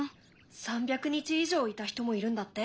３００日以上いた人もいるんだって。